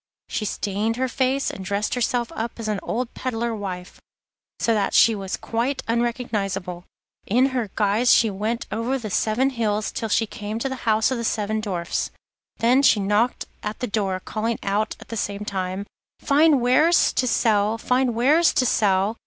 She stained her face and dressed herself up as an old peddler wife, so that she was quite unrecognisable. In this guise she went over the seven hills till she came to the house of the seven Dwarfs. There she knocked at the door, calling out at the same time: 'Fine wares to sell, fine wares to sell!